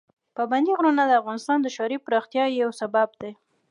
پابندي غرونه د افغانستان د ښاري پراختیا یو سبب دی.